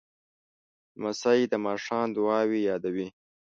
لمسی د ماښام دعاوې یادوي.